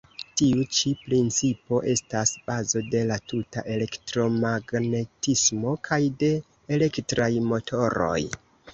Tiu ĉi principo estas bazo de la tuta elektromagnetismo kaj de elektraj motoroj.